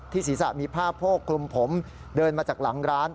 ศีรษะมีผ้าโพกคลุมผมเดินมาจากหลังร้าน